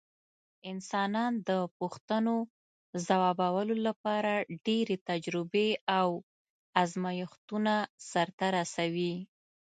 انسانان د پوښتنو ځوابولو لپاره ډېرې تجربې او ازمېښتونه سرته رسوي.